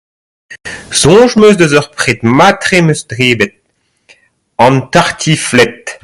"Soñj 'm eus deus ur pred mat-tre 'm eus debret : an ""tartiflette""."